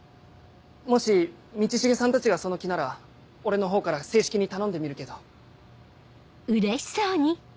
もし道重さんたちがその気なら俺の方から正式に頼んでみるけど。